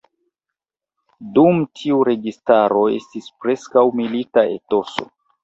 Dum tiu registaro estis preskaŭ milita etoso.